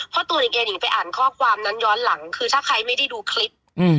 เพราะตัวหนิงเองนิงไปอ่านข้อความนั้นย้อนหลังคือถ้าใครไม่ได้ดูคลิป